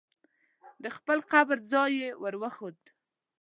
د خپل قبر ځای یې ور وښود.